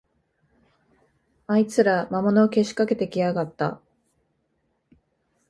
あいつら、魔物をけしかけてきやがった